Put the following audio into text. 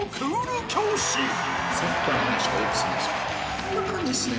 こんな感じっすね